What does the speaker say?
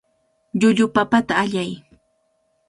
Llullu papata allay.